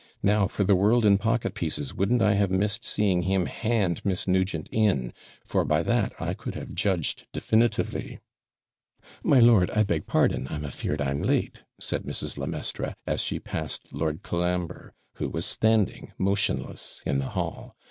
'Now, for the world in pocket pieces wouldn't I have missed seeing him hand Miss Nugent in; for by that I could have judged definitively.' 'My lord, I beg pardon! I'm AFEARD I'm late,' said Mrs. le Maistre, as she passed Lord Colambre, who was standing motionless in the hall.